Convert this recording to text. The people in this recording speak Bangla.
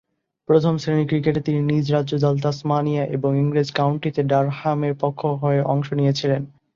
প্রথম-শ্রেণীর ক্রিকেটে তিনি নিজ রাজ্য দল তাসমানিয়া এবং ইংরেজ কাউন্টিতে ডারহামের পক্ষ হয়ে অংশ নিয়েছেন।